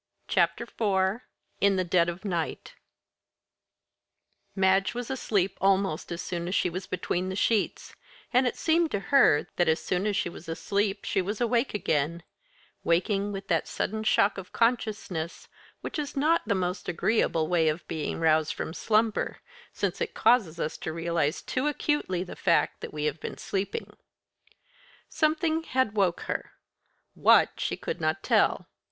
CHAPTER IV IN THE DEAD OF NIGHT Madge was asleep almost as soon as she was between the sheets, and it seemed to her that as soon as she was asleep she was awake again waking with that sudden shock of consciousness which is not the most agreeable way of being roused from slumber, since it causes us to realise too acutely the fact that we have been sleeping. Something had woke her; what, she could not tell.